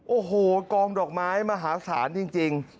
โอ้โหกองดอกไม้มหาศาลจริง